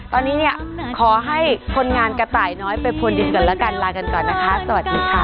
ตอนนี้เนี่ยขอให้คนงานกระต่ายน้อยไปพลดินก่อนแล้วกันลากันก่อนนะคะสวัสดีค่ะ